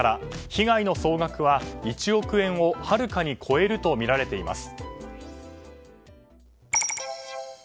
被害の総額は１億円をはるかに超えるとみられています。